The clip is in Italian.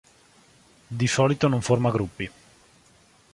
Di solito non forma gruppi.